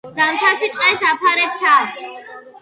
ზამთარში ტყეს აფარებს თავს.